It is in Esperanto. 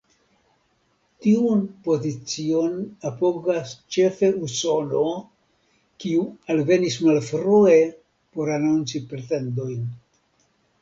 Tiun pozicion apogas ĉefe Usono, kiu alvenis malfrue por anonci pretendojn.